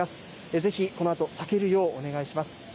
ぜひこのあと避けるようお願いします。